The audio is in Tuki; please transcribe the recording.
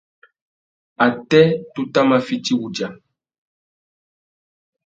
Atê, tu tà mà fiti wudja.